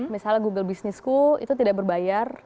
misalnya google business school itu tidak berbayar